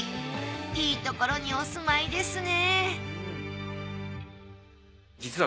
いいところにお住まいですね